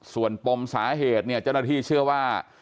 ส่วนปมสาเหตุเนี่ยเจ้าหน้าที่เชื่อว่า